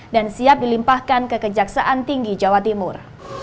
dan siap dilimpahkan ke kejaksaan tinggi jawa timur